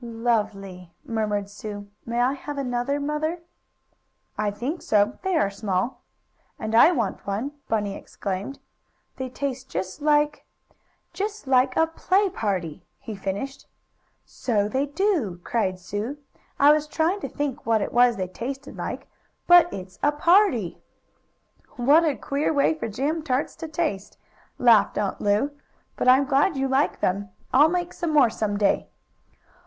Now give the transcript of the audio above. "Lovely!" murmured Sue. "May I have another, Mother?" "I think so, as they are small." "And I want one!" Bunny exclaimed. "They taste just like just like a play party!" he finished. "So they do!" cried Sue. "I was trying to think what it was they tasted like but it's a party!" "What a queer way for jam tarts to taste!" laughed Aunt Lu. "But I am glad you like them. I'll make some more some day."